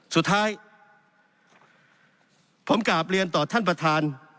สุดท้ายผมกลับเรียนต่อท่านประธาน